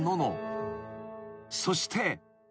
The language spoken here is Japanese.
［そして］